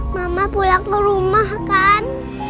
mama pulang ke rumah kan